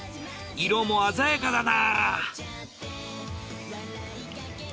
色も鮮やかだな。